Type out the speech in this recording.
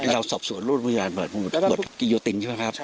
เราสอบส่วนโลกพยาบาลบทกิโยตินใช่ไหมครับ